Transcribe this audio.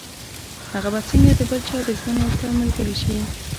هغه به څنګه د بل چا د ژوند يوه ښه ملګرې شي.